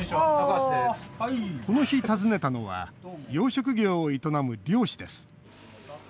この日、訪ねたのは養殖業を営む漁師です。